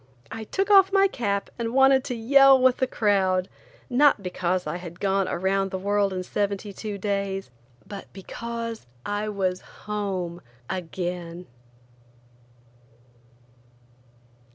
I took off my cap and wanted to yell with the crowd, not because I had gone around the world in seventy two days, but because I was home again.